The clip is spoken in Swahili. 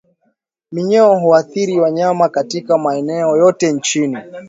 Minyoo huathiri wanyama katika maeneo yote nchini